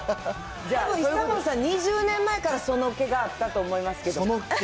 久本さん、２０年前からその気があったと思いますけど。